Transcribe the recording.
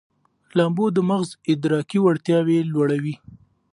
لامبو د مغز ادراکي وړتیاوې لوړوي.